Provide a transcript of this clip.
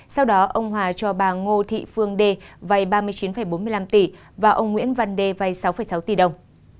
sau đó ông hòa cho bà ngô thị phương đê vay ba mươi chín bốn mươi năm tỷ và ông nguyễn văn đê vay sáu sáu tỷ đồng